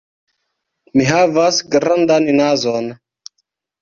Mi havas grandan nazon.